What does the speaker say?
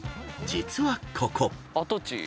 実はここ］